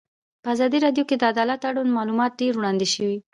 په ازادي راډیو کې د عدالت اړوند معلومات ډېر وړاندې شوي.